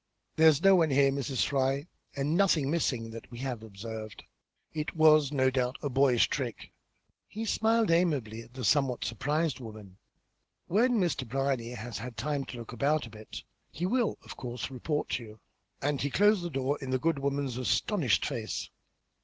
"There's no one here, Mrs. Fry; and nothing missing, that we have observed. It was, no doubt, a boyish trick." He smiled amiably at the somewhat surprised woman. "When Mr. Brierly has had time to look about a bit he will of course report to you." And he closed the door in the good woman's astonished face.